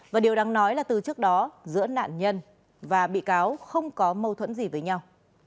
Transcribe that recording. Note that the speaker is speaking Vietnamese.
và điều đáng nói là từ trước đó giữa nạn nhân và bị cáo không có mâu thuẫn gì với nhau